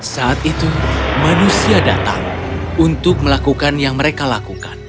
saat itu manusia datang untuk melakukan yang mereka lakukan